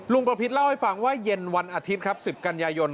ประพิษเล่าให้ฟังว่าเย็นวันอาทิตย์ครับ๑๐กันยายน